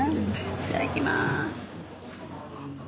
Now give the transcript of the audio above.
いただきます。